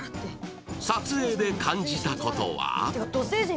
撮影で感じたことは？